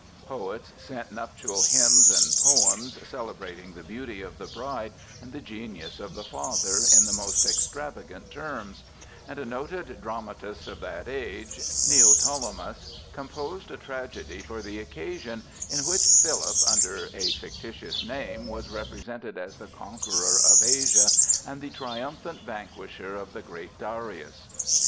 Poets sent nuptial hymns and poems celebrating the beauty of the bride and the genius of the father in the most extravagant terms; and a noted dramatist of that age, Neoptolemus, composed a tragedy for the occasion, in which Philip, under a fictitious name, was represented as the conqueror of Asia and the triumphant vanquisher of the great Darius.